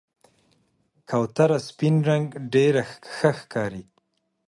کوتره سپین رنګ ډېره ښکاري.